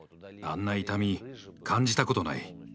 あんな痛み感じたことない。